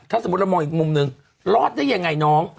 ถ้าสมมุติเรามองอีกมุมนึงรอดได้ยังไงน้อง